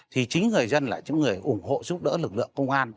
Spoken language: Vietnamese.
thì chính người dân là những người ủng hộ giúp đỡ lực lượng công an